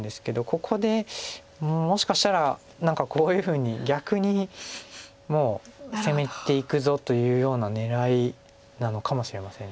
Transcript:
ここでもしかしたら何かこういうふうに逆にもう攻めていくぞというような狙いなのかもしれません。